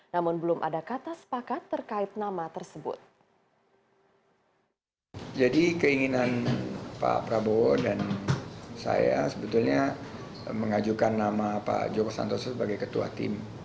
dan pak prabowo dan saya sebetulnya mengajukan nama pak joko santoso sebagai ketua tim